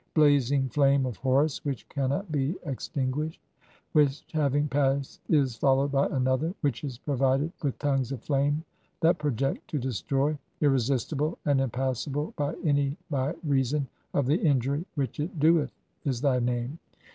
'Blazing flame of Horus which cannot be extinguished ; "which having passed is followed by another; which is provided "with tongues of flame that project to destroy ; irresistible and "impassable [by any] by reason of the injury which it doeth', "is thy name.